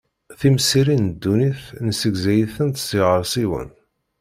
Timsirin n dunnit nessegzay-itent s yiɣersiwen.